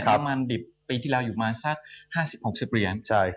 ราคามันดิบปีที่แล้วอยู่มาสัก๕๐๖๐เหรียญ